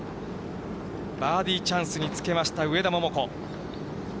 バーディーチャンスにつけました、上田桃子。